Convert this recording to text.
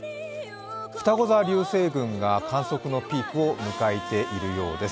ふたご座流星群が観測のピークを迎えているようです。